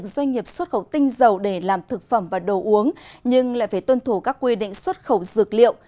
doanh nghiệp xuất khẩu tinh dầu để làm thực phẩm và đồ uống nhưng lại phải tuân thủ các quy định xuất khẩu dược liệu